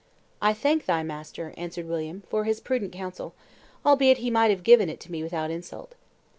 "I thank thy master," answered William, "for his prudent counsel, albeit he might have given it to me without insult.